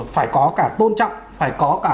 phải có cả tôn trọng phải có cả